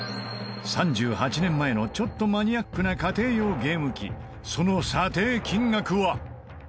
３８年前のちょっとマニアックな家庭用ゲーム機その査定金額は？